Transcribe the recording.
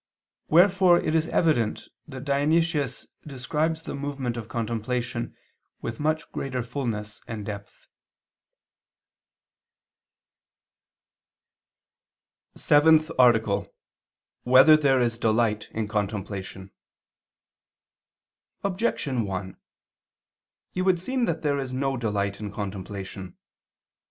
Wherefore it is evident that Dionysius describes the movement of contemplation with much greater fulness and depth. _______________________ SEVENTH ARTICLE [II II, Q. 180, Art. 7] Whether There Is Delight in Contemplation? Objection 1: It would seem that there is no delight in contemplation.